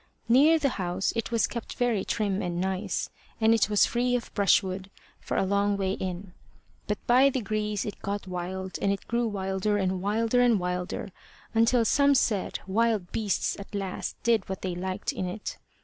Near the house it was kept very trim and nice, and it was free of brushwood for a long way in; but by degrees it got wild, and it grew wilder, and wilder, and wilder, until some said wild beasts at last did what they liked in it.